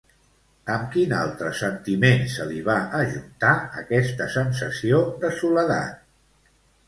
Amb quin altre sentiment se li va ajuntar, aquesta sensació de soledat?